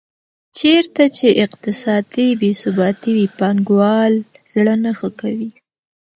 چېرته چې اقتصادي بې ثباتي وي پانګوال زړه نه ښه کوي.